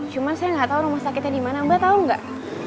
cuma saya nggak tahu rumah sakitnya di mana mbak tahu nggak